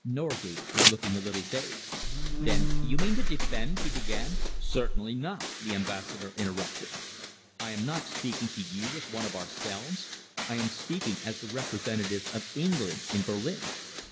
Norgate was looking a little dazed. "Then you mean to defend " he began. "Certainly not," the Ambassador interrupted. "I am not speaking to you as one of ourselves. I am speaking as the representative of England in Berlin.